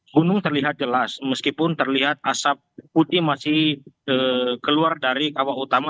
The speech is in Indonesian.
gunung terlihat jelas meskipun terlihat asap putih masih keluar dari kawah utama